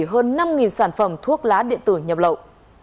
hơn năm sản phẩm thuốc lá điện tử nhập lậu